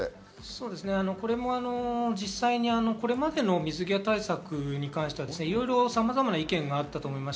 これも、これまでの水際対策に関しては、さまざまな意見があったと思います。